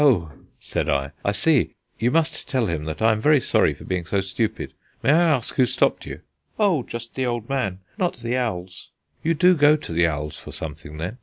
"Oh," said I. "I see: you must tell him I am very sorry for being so stupid. May I ask who stopped you?" "Oh, just the old man, not the owls." "You do go to the owls for something, then?"